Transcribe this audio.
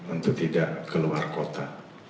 untuk tidak keluar kota